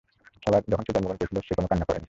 যখন সে জন্মগ্রহণ করেছিলো, সে কোনো কান্না করেনি।